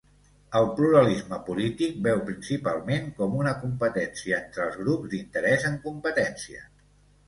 El pluralisme polític veu principalment com una competència entre els grups d'interès en competència.